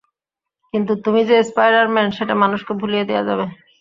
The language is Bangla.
কিন্তু তুমি যে স্পাইডার-ম্যান, সেটা মানুষকে ভুলিয়ে দেয়া যাবে।